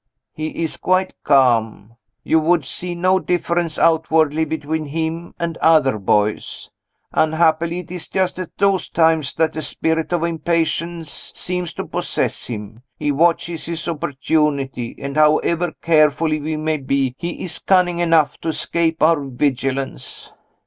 he is quite calm; you would see no difference outwardly between him and other boys. Unhappily, it is just at those times that a spirit of impatience seems to possess him. He watches his opportunity, and, however careful we may be, he is cunning enough to escape our vigilance."